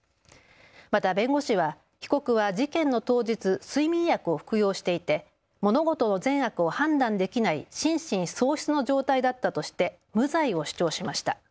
また弁護士は被告は事件の当日、睡眠薬を服用していて物事の善悪を判断できない心神喪失の状態だったとして無罪を主張しました。